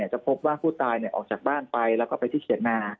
จะพบว่าผู้ตายออกจากบ้านไปแล้วก็ไปที่เถียงนา